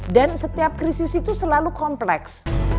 dan setiap krisis itu selalu kompleks